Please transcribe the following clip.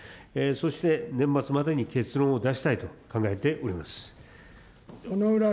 そして、年末までに結論を出したいと考えております。